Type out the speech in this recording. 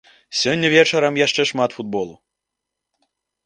Сёння вечарам яшчэ шмат футболу.